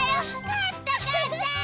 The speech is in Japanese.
かったかった！